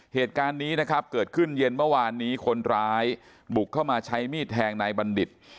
เหตุการณ์นี้นะครับเกิดขึ้นเย็นเมื่อวานนี้คนร้ายบุกเข้ามาใช้มีดแทงนายบัณฑิต